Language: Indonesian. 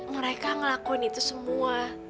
mereka ngelakuin itu semua